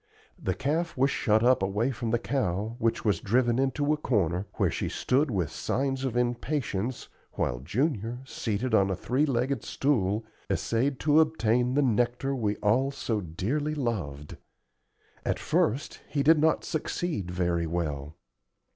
The calf was shut up away from the cow, which was driven into a corner, where she stood with signs of impatience while Junior, seated on a three legged stool, essayed to obtain the nectar we all so dearly loved. At first he did not succeed very well.